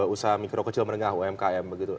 usaha mikro kecil menengah umkm begitu